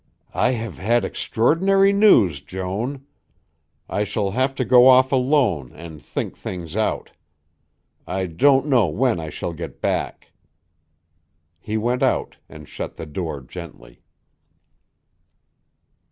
"I have had extraordinary news, Joan. I shall have to go off alone and think things out. I don't know when I shall get back." He went out and shut the door gently.